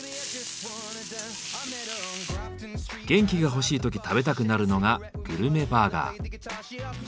元気が欲しい時食べたくなるのがグルメバーガー。